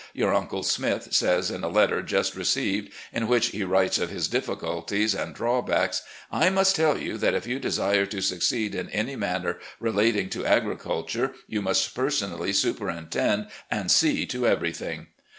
Your Uncle Smith says, in a letter just received in which he writes of his difficulties and drawbacks, ' I must tell you that if you desire to succeed in any matter relating to agriculture you must personally superintend and see to everything.